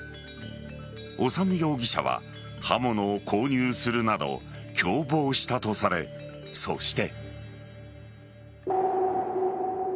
修容疑者は刃物を購入するなど共謀したとされ、そして。